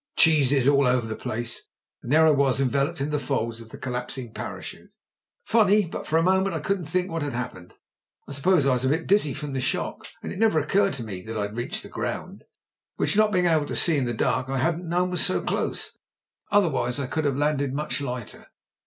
Cheeses all over the place, and there I was enveloped in the folds of the collapsing parachute. Funny, but for a moment I couldn't think what had happened. I suppose I was a bit dizzy from the shock, and it never occurred to me that Fd reached the ground, which, not being able to see in the dark, I hadn't known was so close. Otherwise I could have landed much lighter.